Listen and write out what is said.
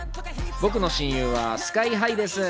僕の親友はＳＫＹ−ＨＩです。